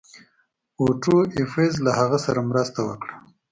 اوټو ایفز له هغه سره مرسته وکړه.